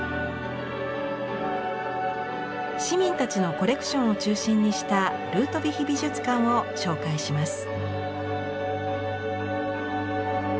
市民たちのコレクションを中心にしたルートヴィヒ美術館を紹介します。